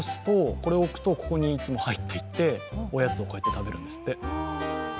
これを置くと、ここにいつも入っていておやつをこうやって食べるんですって。